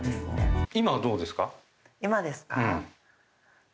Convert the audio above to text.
今ですか？